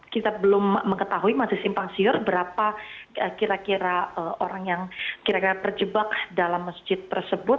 kita belum mengetahui masih simpang siur berapa kira kira orang yang kira kira terjebak dalam masjid tersebut